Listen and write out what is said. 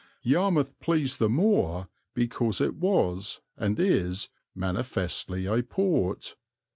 Yarmouth pleased the more because it was and is manifestly a port.